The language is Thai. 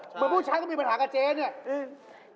เหมือนผู้ชายก็มีปัญหากับเจ๊เนี่ย